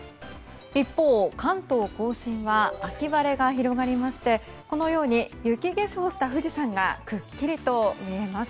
一方、関東・甲信は秋晴れが広がりましてこのように雪化粧した富士山がくっきりと見えます。